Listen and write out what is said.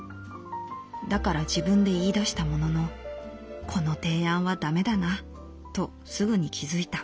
だから自分で言い出したもののこの提案は駄目だなとすぐに気づいた」。